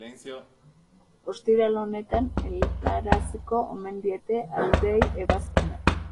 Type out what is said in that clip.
Ostiral honetan helaraziko omen diete aldeei ebazpena.